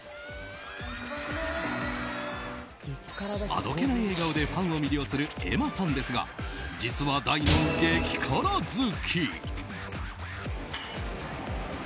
あどけない笑顔でファンを魅了する瑛茉さんですが実は大の激辛好き。